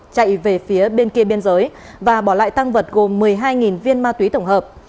chạy về phía bên kia biên giới và bỏ lại tăng vật gồm một mươi hai viên ma túy tổng hợp